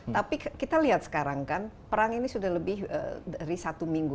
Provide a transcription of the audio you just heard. tapi kita lihat sekarang kan perang ini sudah lebih dari satu minggu